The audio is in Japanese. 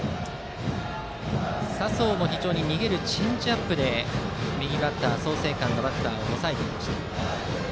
佐宗も逃げるチェンジアップで右バッター、創成館のバッターを抑えていました。